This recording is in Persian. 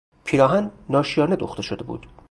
پیراهن ناشیانه دوخته شده بود.